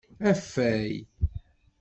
Afay.